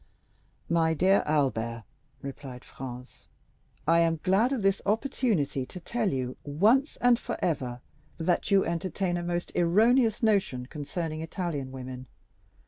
"My dear Albert," replied Franz, "I am glad of this opportunity to tell you, once and forever, that you entertain a most erroneous notion concerning Italian women.